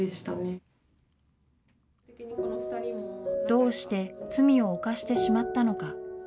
どうして罪を犯してしまったのか。